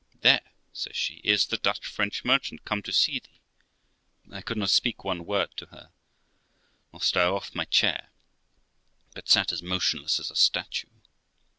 'There', says she, 'is the Dutch French merchant come to see thee ' I could not speak one word to her, nor stir off of my chair, but sat as motionless as a statue.